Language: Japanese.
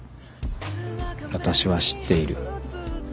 私は知ってゐる」